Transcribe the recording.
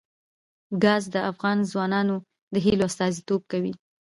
ګاز د افغان ځوانانو د هیلو استازیتوب کوي.